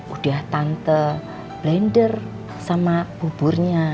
udah tante blender sama buburnya